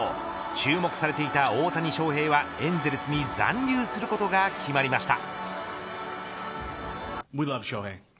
注目されていた大谷翔平はエンゼルスに残留することが決まりました。